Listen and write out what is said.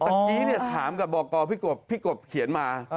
ตะกี้ถามกับบอกกรพี่กบพี่กบเขียนมา